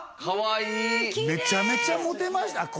かわいいめちゃめちゃモテました